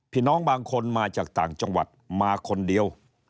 พี่น้องบางคนมาจากต่างจังหวัดมาคนเดียว